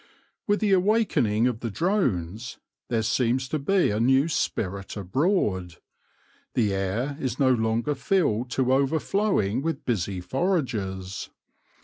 With the awakening of the drones there seems to be a new spirit abroad. The air is no longer filled to overflowing with busy foragers.